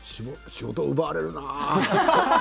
仕事、奪われるな。